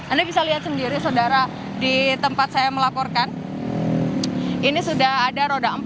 anda bisa lihat sendiri saudara di tempat saya melaporkan ini sudah ada roda empat